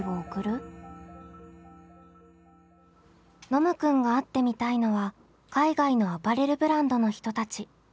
ノムくんが会ってみたいのは海外のアパレルブランドの人たち。